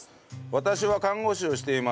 私は看護師をしています。